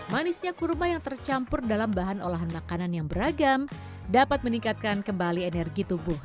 manisnya kurma yang tercampur dalam bahan olahan makanan yang beragam dapat meningkatkan kembali energi tubuh